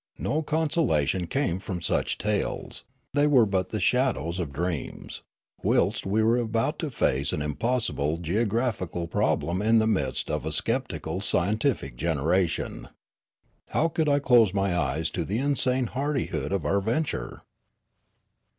no consola tion came from such tales ; they were but the shadows of dreams; whilst we were about to face an impossible geographical problem in the midst of a sceptical scien tific generation. How could I close my ej es to the insane hardihood of our venture